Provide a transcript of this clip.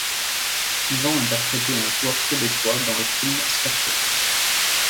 Yvan interprétait un joueur Québécois, dans le film, Slap Shot.